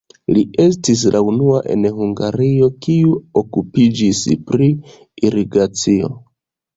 Li estis la unua en Hungario, kiu okupiĝis pri irigacio.